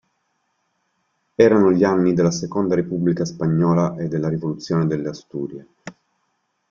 Erano gli anni della seconda repubblica spagnola e della rivoluzione delle Asturie.